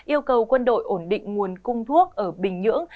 yêu cầu quân đội ổn định nguồn cung thuốc ở bình nhưỡng